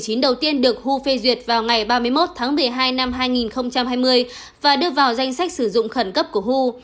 cơ quan đầu tiên được who phê duyệt vào ngày ba mươi một tháng một mươi hai năm hai nghìn hai mươi và đưa vào danh sách sử dụng khẩn cấp của who